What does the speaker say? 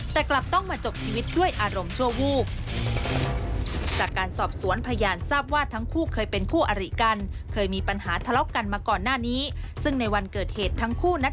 แต่กลับต้องมาจบชีวิตด้วยอารมณ์ชั่ววูบ